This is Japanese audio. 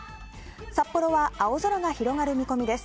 札幌は青空が広がる見込みです。